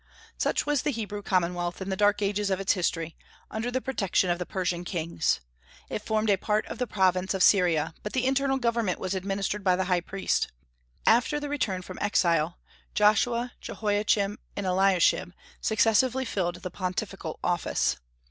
Such was the Hebrew commonwealth in the dark ages of its history, under the protection of the Persian kings. It formed a part of the province of Syria, but the internal government was administered by the high priests. After the return from exile Joshua, Joachim, and Eliashib successively filled the pontifical office.